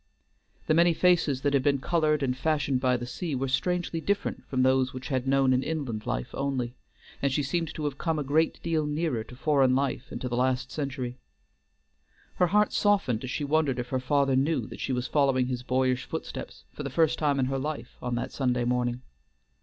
The many faces that had been colored and fashioned by the sea were strangely different from those which had known an inland life only, and she seemed to have come a great deal nearer to foreign life and to the last century. Her heart softened as she wondered if her father knew that she was following his boyish footsteps, for the first time in her life, on that Sunday morning.